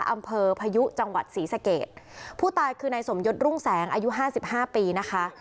อำเภอพยุจังหวัดศรีสเกตผู้ตายคือนายสมยศรุ่งแสงอายุห้าสิบห้าปีนะคะ